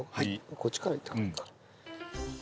こっちからいった方がいいか。